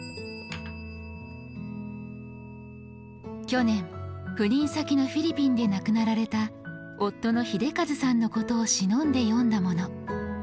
去年赴任先のフィリピンで亡くなられた夫の英一さんのことをしのんで詠んだもの。